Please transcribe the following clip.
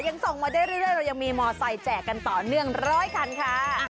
ยังส่งมาได้เรื่อยเรายังมีมอไซค์แจกกันต่อเนื่องร้อยคันค่ะ